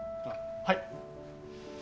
はい！